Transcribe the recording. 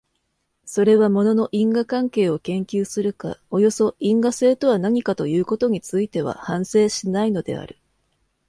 それは物の因果関係を研究するか、およそ因果性とは何かということについては反省しないのである。